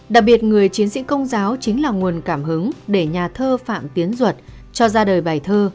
đặc biệt người chiến sĩ công giáo chính là nguồn cảm hứng để nhà thơ phạm tiến duật cho ra đời bài thơ